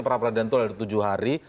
perapradilan itu ada tujuh hari